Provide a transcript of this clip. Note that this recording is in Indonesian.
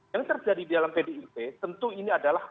yang terjadi di dalam pdip tentu ini adalah